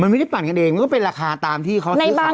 มันไม่ได้ปั่นกันเองมันก็เป็นราคาตามที่เขาซื้อขาย